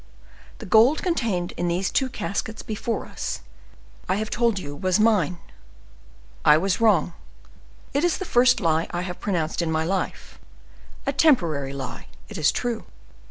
The gold contained in these two casks before us, I have told you was mine. I was wrong—it is the first lie I have pronounced in my life, a temporary lie, it is true.